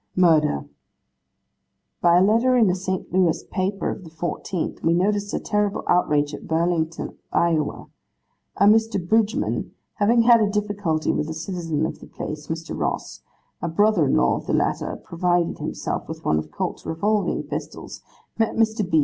'Murder. By a letter in a St. Louis paper of the '4th, we notice a terrible outrage at Burlington, Iowa. A Mr. Bridgman having had a difficulty with a citizen of the place, Mr. Ross; a brother in law of the latter provided himself with one of Colt's revolving pistols, met Mr. B.